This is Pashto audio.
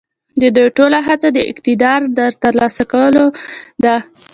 د دوی ټوله هڅه د اقتدار د تر لاسه کولو ده.